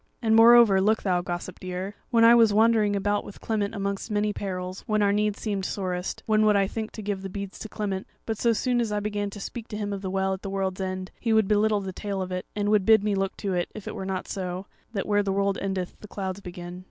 And moreover, look thou, gossip dear: when I was wandering about with Clement amongst many perils, when our need seemed sorest, then would I think to give the beads to Clement; but so soon as I began to speak to him of the Well at the World's End he would belittle the tale of it, and would bid me look to it if it were not so, that where the world endeth the clouds begin."